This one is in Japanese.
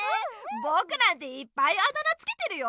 ぼくなんていっぱいあだ名つけてるよ。